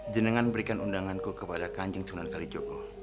jenengan berikan undanganku kepada kanjeng sunan kalijogo